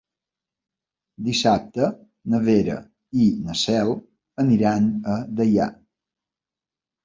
Dissabte na Vera i na Cel aniran a Deià.